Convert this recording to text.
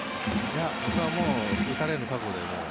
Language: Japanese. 僕は打たれる覚悟で。